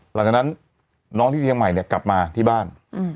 หลังจากนั้นน้องที่เชียงใหม่เนี่ยกลับมาที่บ้าน